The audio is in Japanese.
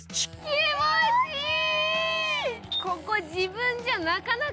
気持ちいい！